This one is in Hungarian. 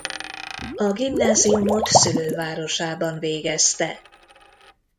A gimnáziumot szülővárosában végezte.